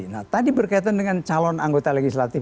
nah tadi berkaitan dengan calon anggota legislatif